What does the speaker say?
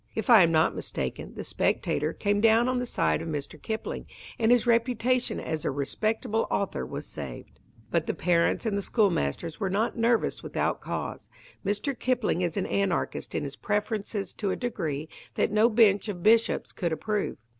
If I am not mistaken, The Spectator came down on the side of Mr. Kipling, and his reputation as a respectable author was saved. But the parents and the schoolmasters were not nervous without cause. Mr. Kipling is an anarchist in his preferences to a degree that no bench of bishops could approve.